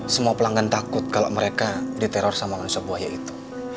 semua pelanggan takut kalau mereka diteror sama mansa buaya itu